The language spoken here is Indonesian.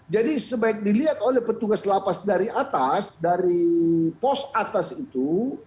jadi sebaik dilihat oleh petugas lapas dari atas dari pos atas itu